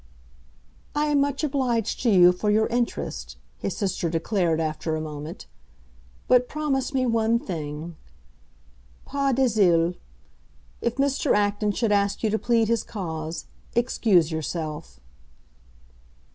"I am much obliged to you for your interest," his sister declared, after a moment. "But promise me one thing: pas de zèle! If Mr. Acton should ask you to plead his cause, excuse yourself."